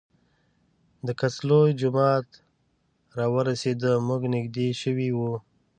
د کڅ لوے جومات راورسېدۀ مونږ تږي شوي وو